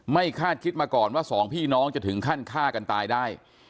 คาดคิดมาก่อนว่าสองพี่น้องจะถึงขั้นฆ่ากันตายได้